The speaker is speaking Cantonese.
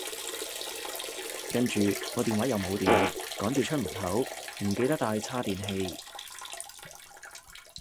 跟住我電話又冇電，趕住出門口，唔記得帶叉電器